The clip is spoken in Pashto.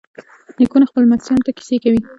نیکونه خپلو لمسیانو ته کیسې کوي.